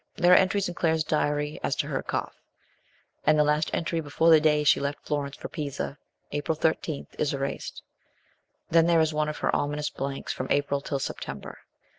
There are entries in Claire's diary as to her cough, and LAST MONTHS WITH SHELLEY. 161 the last entry before the day she left Florence for Pisa April 13 is erased. Then there is one of her ominous blanks from April till September.